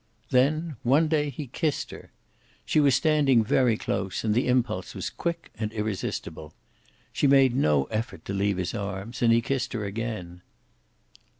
Then, one day he kissed her. She was standing very close, and the impulse was quick and irresistible. She made no effort to leave his arms, and he kissed her again.